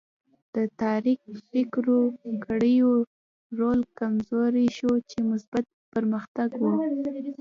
د تاریک فکرو کړیو رول کمزوری شو چې مثبت پرمختګ و.